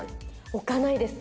置かないですね。